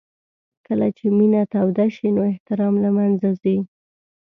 کله چې مینه توده شي نو احترام له منځه ځي.